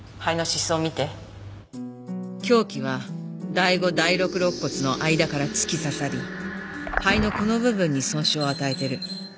凶器は第五第六肋骨の間から突き刺さり肺のこの部分に損傷を与えてる。